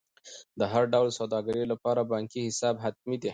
د هر ډول سوداګرۍ لپاره بانکي حساب حتمي دی.